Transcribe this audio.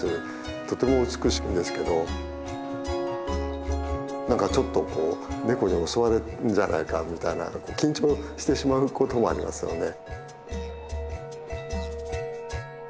とても美しいんですけど何かちょっとこうネコに襲われるんじゃないかみたいな緊張してしまうこともありますよね。